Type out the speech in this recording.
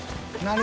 何？」